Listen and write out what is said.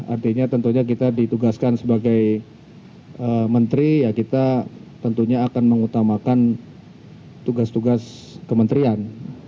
artinya tentunya kita ditugaskan sebagai menteri ya kita tentunya akan mengutamakan tugas tugas kementerian